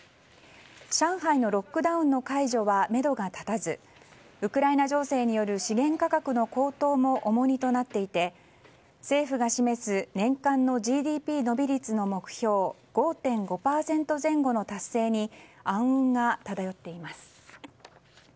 上海のロックダウンの解除はめどが立たずウクライナ情勢による資源価格の高騰も重荷となっていて政府が示す年間のＧＤＰ伸び率の目標５．５％前後の達成に暗雲が漂っています。